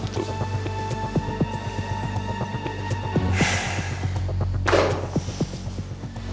ini dulu bang